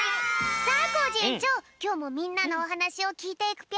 さあコージえんちょうきょうもみんなのおはなしをきいていくぴょん。